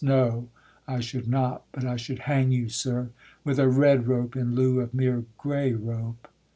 No I should not, but I should hang you, sir, With a red rope in lieu of mere grey rope.